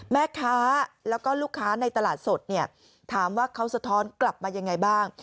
แม่ค้าแล้วก็ลูกค้าในตลาดสดเนี่ยถามว่าเขาสะท้อนกลับมายังไงบ้าง